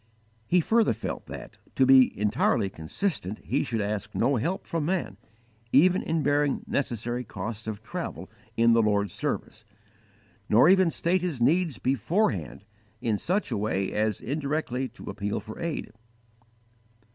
He further felt that, to be entirely consistent, he should ask no help from man, even in bearing necessary costs of travel in the Lord's service, nor even state his needs beforehand in such a way as indirectly to appeal for aid.